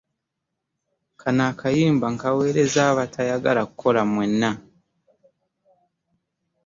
Kano akayimba nkaweerezza abatayagala kukola mwenna.